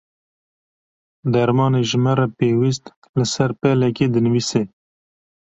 Dermanê ji me re pêwîst li ser pelekê dinivîse.